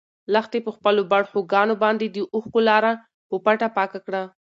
لښتې په خپلو باړخوګانو باندې د اوښکو لاره په پټه پاکه کړه.